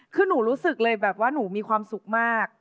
คือหนูรู้สึกเลยแบบว่าหนูมีความสุขมาก